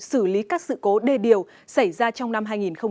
xử lý các sự cố đề điều xảy ra trong năm hai nghìn một mươi tám